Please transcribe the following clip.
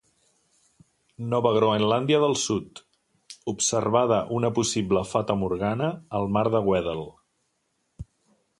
Nova Groenlàndia del sud, observada una possible fata morgana al mar de Weddell.